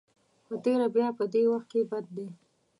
په تېره بیا په دې وخت کې بد دی.